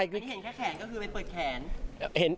เห็นแค่แขนก็คือไปเปิดแขน